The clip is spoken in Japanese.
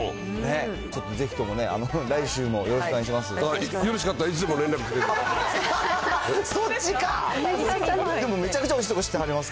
ちょっとぜひともね、来週もよろしくお願いします。